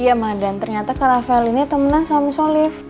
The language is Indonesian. iya mbak dan ternyata kak raffael ini temenan sama miss olive